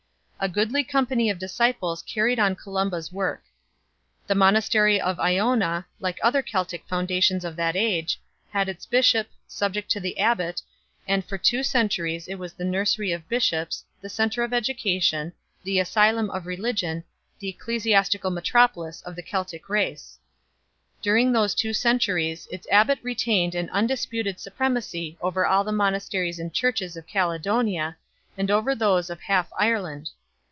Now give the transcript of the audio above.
A goodly company of disciples carried on Columba s work. The monastery of lona, like other Keltic founda tions of that age, had its bishop, subject to the abbat, and for two centuries it was the nursery of bishops, the centre of education, the asylum of religion, the ecclesiastical metropolis of the Keltic race. During those two centuries its abbat retained an undisputed supremacy over all the monasteries and churches of Caledonia, and over those of half Ireland.